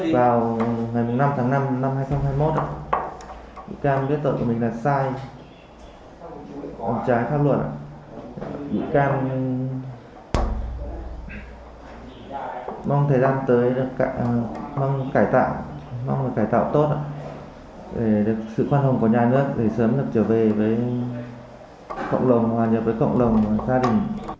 vật chứng thu giữ gồm hai kg ketamin năm mươi bốn gam thuốc viện và một số vật chứng liên quan